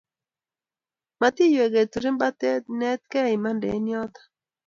Matiywei keturin pate inetkei imande eng yoto